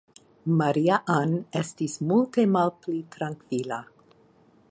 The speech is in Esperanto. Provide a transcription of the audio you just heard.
Maria-Ann estis multe malpli trankvila.